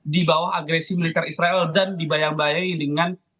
di bawah agresi militer israel dan dibayang bayangi dengan